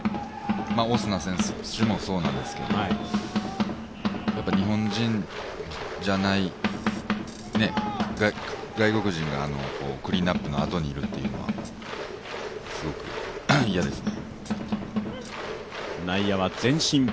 オスナ選手もそうなんですけど、日本人じゃない、外国人がクリーンナップのあとにいるというのはすごく嫌ですね。